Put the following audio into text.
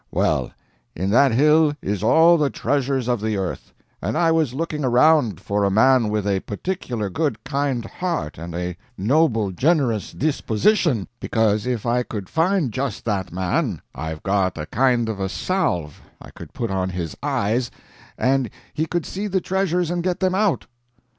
Well, in that hill is all the treasures of the earth, and I was looking around for a man with a particular good kind heart and a noble, generous disposition, because if I could find just that man, I've got a kind of a salve I could put on his eyes and he could see the treasures and get them out."